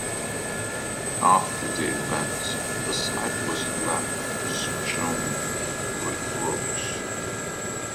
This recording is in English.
After the event the site was left strewn with rubbish.